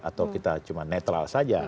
atau kita cuma netral saja